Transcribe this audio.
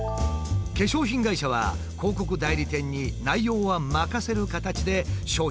化粧品会社は広告代理店に内容は任せる形で商品のＰＲを依頼。